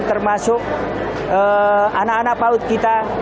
termasuk anak anak paut kita